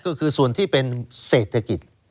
ก็คือส่วนที่เป็นเศรษฐกิจ